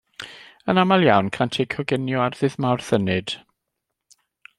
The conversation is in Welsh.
Yn aml iawn, cânt eu coginio ar Ddydd Mawrth Ynyd.